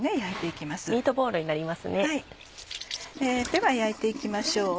では焼いて行きましょう。